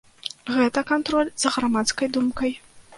Гэта кантроль за грамадскай думкай.